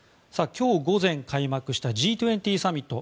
今日午前開幕したＧ２０サミット